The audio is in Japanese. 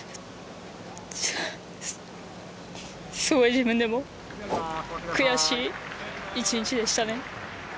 自分でも悔しい１日でしたね。